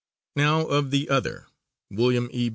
Now of the other, William E.